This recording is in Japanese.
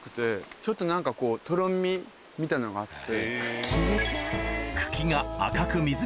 ちょっと何かこうとろみみたいなのがあって。